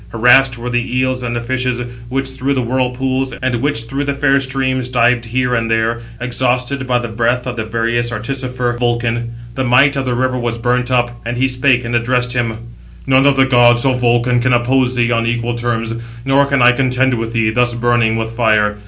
Harassed were the eels and the fishes, which through the whirlpools, [and] which through the fair streams dived here and there, exhausted by the breath of the various artificer Vulcan. The might of the river was burnt up, and he spake, and addressed him: "None of the gods, O Vulcan, can oppose thee on equal terms, nor can I contend with thee, thus burning with fire.